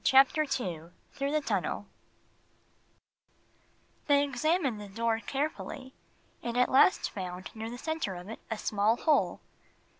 Chapter II Through the Tunnel THEY examined the door carefully, and at last found near the center of it a small hole.